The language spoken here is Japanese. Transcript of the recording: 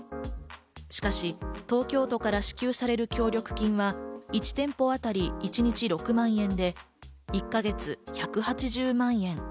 しかし、東京都から支給される協力金は１店舗あたり、一日６万円で１か月１８０万円。